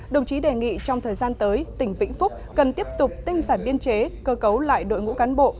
đồng chí đề nghị trong thời gian tới tỉnh vĩnh phúc cần tiếp tục tinh sản biên chế cơ cấu lại đội ngũ cán bộ